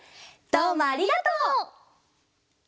どうもありがとう！